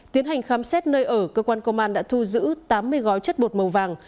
tiến hành khám xét nơi ở cơ quan công an đã thu giữ tám mươi gói chất bột màu vàng